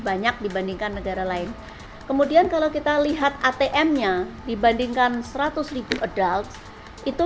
banyak dibandingkan negara lain kemudian kalau kita lihat atm nya dibandingkan seratus ribu adolts itu